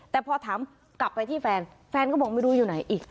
แต่พอถามกลับไปที่แฟนแฟนก็บอกไม่รู้อยู่ไหนอีก